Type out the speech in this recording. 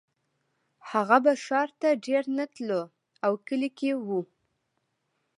هغه به ښار ته ډېر نه تلو او کلي کې و